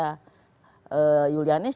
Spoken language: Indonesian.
yulianis dan yulianis